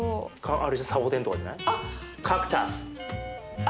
あれじゃんサボテンとかじゃない？